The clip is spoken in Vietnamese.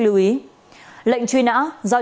lưu ý lệnh truy nã do